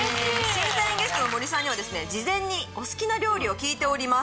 審査員ゲストの森さんには事前にお好きな料理を聞いております。